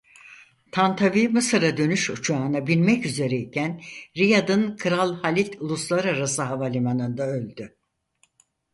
Tantavi Mısır'a dönüş uçağına binmek üzereyken Riyad'ın Kral Halid Uluslararası Havalimanı'nda öldü.